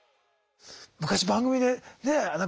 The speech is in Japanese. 昔番組でね